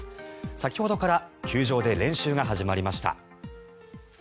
先ほどから球場で練習が始まりました。